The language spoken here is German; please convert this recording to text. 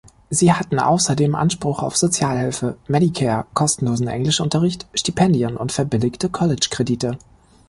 Sie hatten außerdem Anspruch auf Sozialhilfe, Medicare, kostenlosen Englischunterricht, Stipendien und verbilligte College-Kredite.